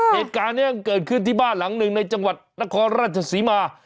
เหตุการณ์นี้เกิดขึ้นที่บ้านหลังหนึ่งในจังหวัดนครราชศรีมา